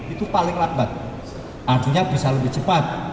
itu paling lambat artinya bisa lebih cepat